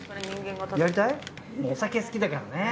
お酒好きだからね。